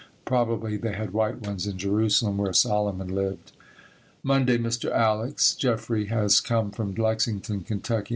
Probably they had white ones in Jerusalem, where Solomon lived. Monday. Mr. Alex. Jeffrey has come from Lexington, Ky.